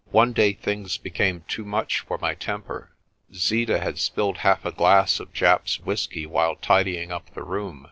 One day things became too much for my temper. Zeeta had spilled half a glass of Japp's whiskey while tidying up the room.